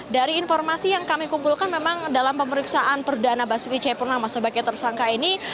dari informasi yang kami kumpulkan memang dalam pemeriksaan perdana basuki cepurnama sebagai tersangka ini